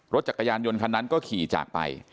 รถจักรยานยนต์คันนั้นก็ขี่จากไป